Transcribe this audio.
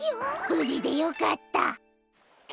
ぶじでよかった。